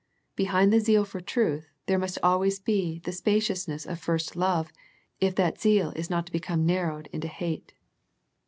Behind the zeal for truth, there must always be the spa ciousness of first love if that zeal is not to be come narrowed into hate.